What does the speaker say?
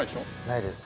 ないです。